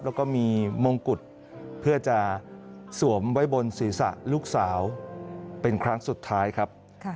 แล้วก็มีมงกุฎเพื่อจะสวมไว้บนศีรษะลูกสาวเป็นครั้งสุดท้ายครับ